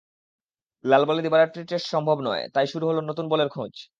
লাল বলে দিবারাত্রির টেস্ট সম্ভব নয়, তাই শুরু হলো নতুন বলের খোঁজ।